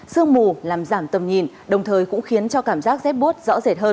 sương mù làm giảm tầm nhìn đồng thời cũng khiến cho cảm giác rét bút rõ rệt hơn